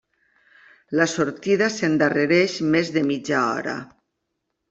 La sortida s'endarrereix més de mitja hora.